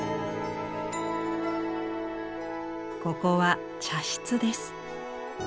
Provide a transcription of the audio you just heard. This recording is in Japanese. ここは茶室です。